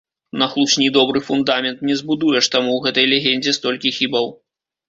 На хлусні добры фундамент не збудуеш, таму ў гэтай легендзе столькі хібаў.